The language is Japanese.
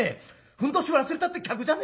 ふんどし忘れたって客じゃねえか！